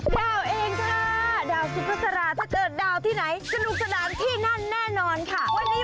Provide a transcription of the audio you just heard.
ว่าแต่ดาวจะไปทำอะไร